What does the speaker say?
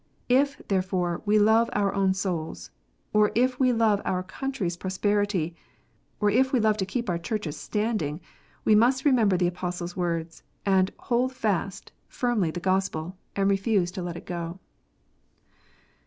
If, therefore, we love our own souls, or if we love our country s prosperity, or if we love to keep our Churches standing, we must remember the Apostle s words, and " hold fast" firmly the Gospel, and refuse to let it go.